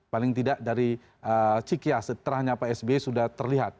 paling tidak dari cikya setelahnya pak sbe sudah terlihat